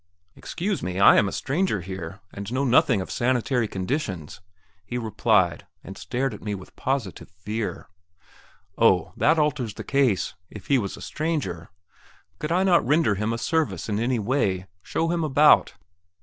"Excuse me, I am a stranger here, and know nothing of the sanitary conditions," he replied, and stared at me with positive fear. Oh, that alters the case! if he was a stranger.... Could I not render him a service in any way? show him about?